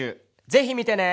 ぜひ見てね！